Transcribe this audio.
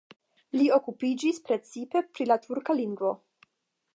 Li okupiĝis precipe pri la turka lingvo.